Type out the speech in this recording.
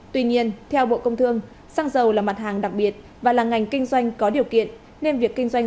tuy nhiên theo bộ công thương xăng dầu là mặt hàng đặc biệt và là ngành kinh doanh có điều kiện nên việc kinh doanh